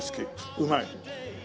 うまい。